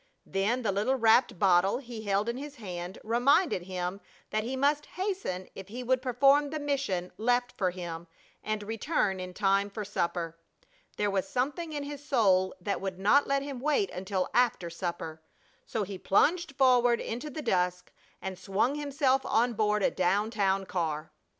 Then the little wrapped bottle he held in his hand reminded him that he must hasten if he would perform the mission left for him and return in time for supper. There was something in his soul that would not let him wait until after supper. So he plunged forward into the dusk and swung himself on board a down town car.